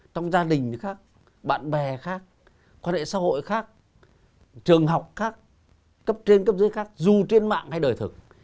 trong gia đình khác bạn bè khác quan hệ xã hội khác trường học các cấp trên cấp dưới khác dù trên mạng hay đời thực